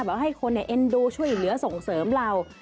แบบว่าให้คนเนี่ยเอ็นดูช่วยเหลือส่งเสริมเรา